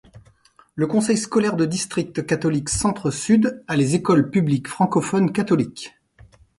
Le Conseil scolaire de district catholique Centre-Sud a les écoles publiques francophones catholiques.